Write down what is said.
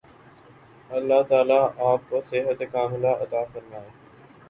اللہ تعالی آپ کو صحت ِکاملہ عطا فرمائے